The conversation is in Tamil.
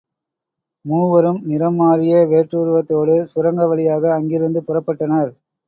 மூவரும் நிறம் மாறிய வேற்றுருவத்தோடு சுரங்க வழியாக அங்கிருந்து புறப்பட்டனர்.